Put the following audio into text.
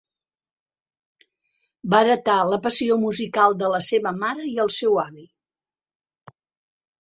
Va heretar la passió musical de la seva mare i el seu avi.